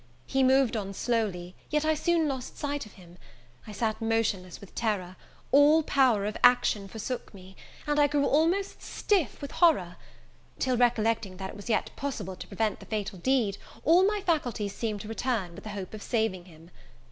He moved on slowly, yet I soon lost sight of him; I sat motionless with terror; all power of action forsook me; and I grew almost stiff with horror; till recollecting that it was yet possible to prevent the fatal deed, all my faculties seemed to return, with the hope of saving him.